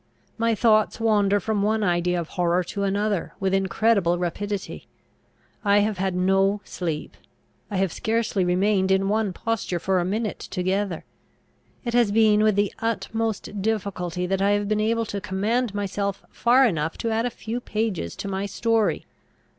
My thoughts wander from one idea of horror to another, with incredible rapidity. I have had no sleep. I have scarcely remained in one posture for a minute together. It has been with the utmost difficulty that I have been able to command myself far enough to add a few pages to my story.